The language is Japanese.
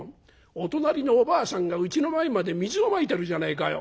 お隣のおばあさんがうちの前まで水をまいてるじゃねえかよ。